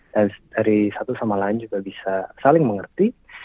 dan dari satu sama lain juga bisa saling mengerti